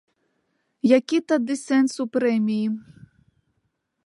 Які тады сэнс у прэміі?